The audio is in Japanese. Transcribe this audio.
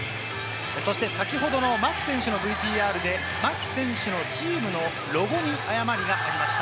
そして先ほどの牧選手のＶＴＲで、牧選手のチームのロゴに誤りがありました。